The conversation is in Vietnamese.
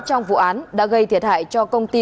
trong vụ án đã gây thiệt hại cho công ty